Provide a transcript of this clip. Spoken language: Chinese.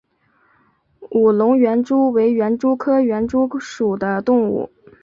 武隆园蛛为园蛛科园蛛属的动物。